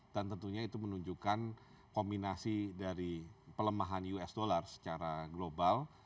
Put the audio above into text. dan tentunya itu menunjukkan kombinasi dari pelemahan us dollar secara global